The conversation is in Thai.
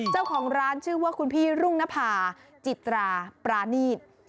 เจ้าของร้านชื่อว่าคุณพี่รุ่งนภาจิตราปรานีต